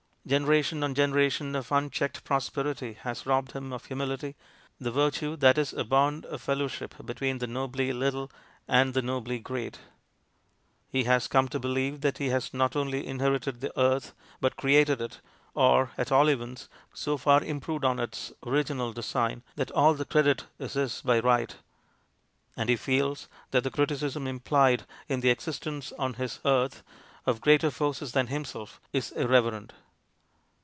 Generation on generation of unchecked prosperity has robbed him of humility, the virtue that is a bond of fellow ship between the nobly little and the nobly great. He has come to believe that he has not only inherited the earth but created it, or, at all events, so far improved on its original design that all the credit is his by right ; and he feels that the criticism im plied in the existence on his earth of greater IS ENGLAND DECADENT? 193 forces than himself is irreverent.